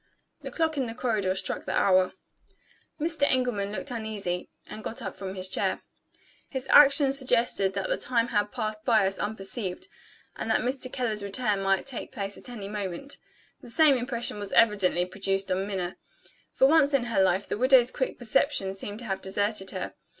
The clock in the corridor struck the hour. Mr. Engelman looked uneasy, and got up from his chair. His action suggested that the time had passed by us unperceived, and that Mr. Keller's return might take place at any moment. The same impression was evidently produced on Minna. For once in her life, the widow's quick perception seemed to have deserted her.